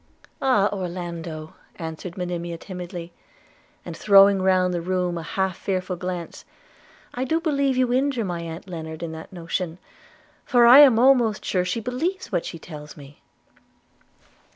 'Ah! Orlando,' answered Monimia timidly, and throwing round the room a half fearful glance, 'I do believe you injure my aunt Lennard in that notion; for I am almost sure she believes what she tells me.'